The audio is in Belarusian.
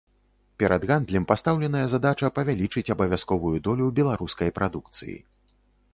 Перад гандлем пастаўленая задача павялічыць абавязковую долю беларускай прадукцыі.